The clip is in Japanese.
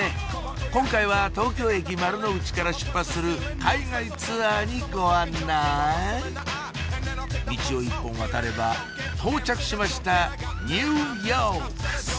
今回は東京駅丸の内から出発する海外ツアーにご案内ミチを１本渡れば到着しましたニューヨーク！